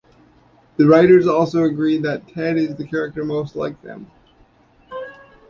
The writers also agree that Ted is the character most like them.